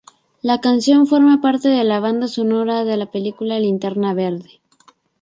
La canción forma parte de la banda sonora de la película "Linterna Verde".